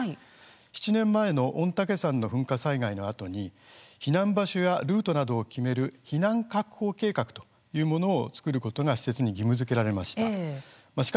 ７年前の御嶽山の噴火災害のあとに避難場所やルートなどを決める避難確保計画というものを作ることが施設には義務づけられました。